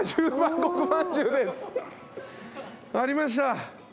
ありました。